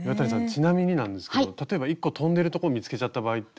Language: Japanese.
ちなみになんですけど例えば１個飛んでるとこ見つけちゃった場合って。